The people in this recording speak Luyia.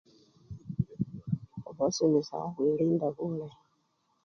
Khubasomesya belinda bulayi.